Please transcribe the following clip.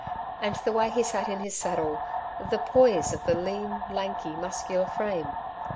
And the way he sat in his saddle, the poise of the lean, lanky muscular frame!